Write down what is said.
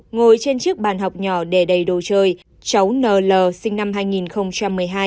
ngồi trên chiếc bàn học nhỏ để đầy đồ chơi cháu nl sinh năm hai nghìn một mươi hai